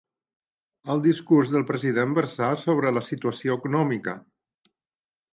El discurs del president versà sobre la situació econòmica.